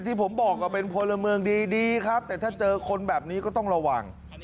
ที่ผมบอกก็เป็นพลเมืองดีดีครับแต่ถ้าเจอคนแบบนี้ก็ต้องระวัง